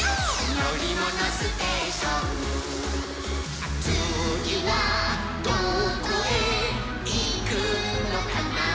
「のりものステーション」「つぎはどこへいくのかな」